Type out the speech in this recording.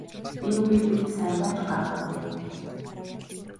Энэ үгийг бид сайндаа ч гаргаагүй.